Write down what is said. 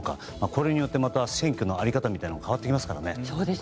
これによってまた選挙の在り方みたいなものが変わってきますからね。